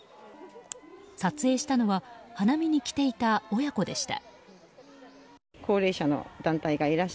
撮影していたのは花見に来ていた親子でした。